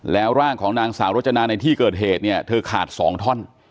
แล้วร่างของนางสาวรจนาในที่เกิดเหตุเนี่ยเธอขาด๒ท่อน